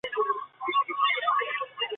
兰氏三强蟹为大眼蟹科三强蟹属的动物。